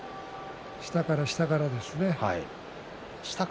下から下からですね。